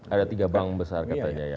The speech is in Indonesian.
ada tiga bank besar katanya ya